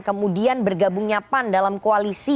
kemudian bergabung nyapan dalam koalisi